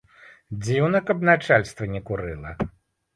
Дзіўна, каб начальства не курыла.